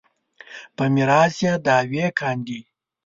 په میراث یې دعوې کاندي.